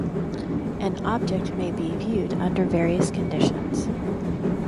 An object may be viewed under various conditions.